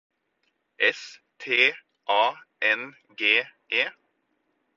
S T A N G E